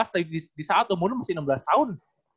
tapi di saat umur lu masih enam belas tahun